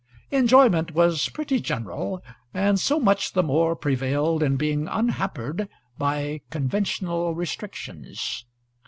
Enjoyment was pretty general, and so much the more prevailed in being unhampered by conventional restrictions.